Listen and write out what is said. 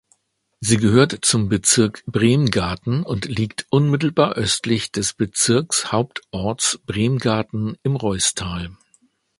Sie gehört zum Bezirk Bremgarten und liegt unmittelbar östlich des Bezirkshauptorts Bremgarten im Reusstal.